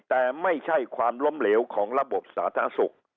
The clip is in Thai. แต่ไม่ใช่ความล้มเหลวของระบบสาธารณสุข